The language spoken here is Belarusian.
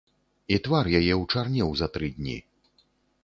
І твар яе ўчарнеў за тры дні.